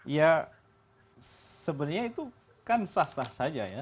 ya sebenarnya itu kan sah sah saja ya